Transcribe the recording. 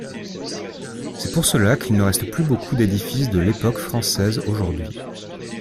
C'est pour cela qu'il ne reste plus beaucoup d'édifices de l'époque française aujourd'hui.